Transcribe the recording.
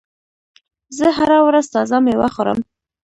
زه هره ورځ تازه میوه خورم.